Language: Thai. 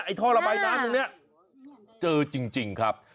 ท่อระบายน้ำตรงนี้เจอจริงครับ